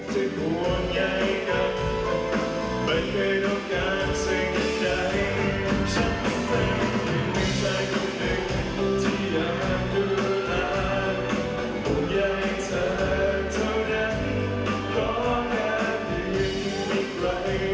จริงเลยนะ